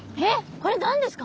これ何ですか？